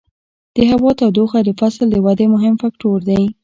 د هوا تودوخه د فصل د ودې مهم فکتور دی.